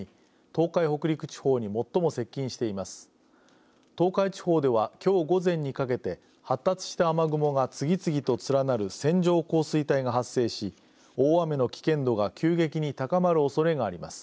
東海地方ではきょう午前にかけて発達した雨雲が次々と連なる線状降水帯が発生し大雨の危険度が急激に高まるおそれがあります。